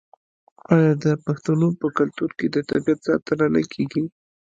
آیا د پښتنو په کلتور کې د طبیعت ساتنه نه کیږي؟